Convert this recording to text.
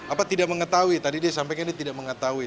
apa tidak mengetahui tadi dia sampaikan dia tidak mengetahui